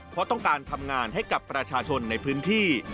เพราะต้องการทำงานให้กับประชาชนในพื้นที่